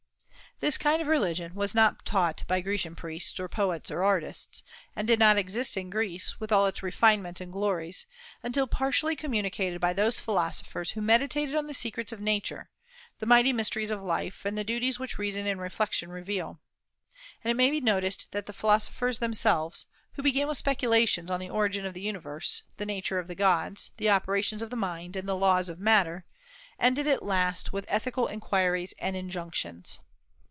This kind of religion was not taught by Grecian priests or poets or artists, and did not exist in Greece, with all its refinements and glories, until partially communicated by those philosophers who meditated on the secrets of Nature, the mighty mysteries of life, and the duties which reason and reflection reveal. And it may be noticed that the philosophers themselves, who began with speculations on the origin of the universe, the nature of the gods, the operations of the mind, and the laws of matter, ended at last with ethical inquiries and injunctions.